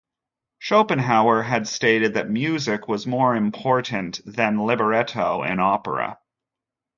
Schopenhauer had stated that music was more important than libretto in opera.